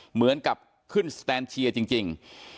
เหมือนกับขึ้นสแตนเชียร์จริง